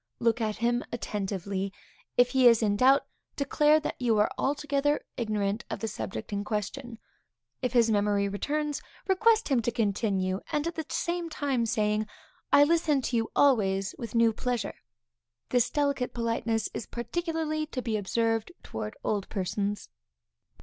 Look at him attentively. If he is in doubt, declare that you are altogether ignorant of the subject in question. If his memory returns, request him to continue, at the same time saying; I listen to you always with new pleasure. This delicate politeness is particularly to be observed towards old persons.